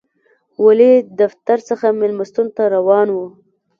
والي دفتر څخه مېلمستون ته روان و.